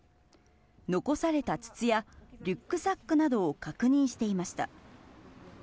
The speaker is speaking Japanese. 残された筒やリュックサックなどを確認していました。